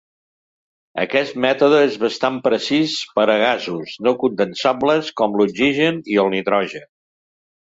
Aquest mètode és bastant precís per a gasos no condensables com l"oxigen i el nitrogen.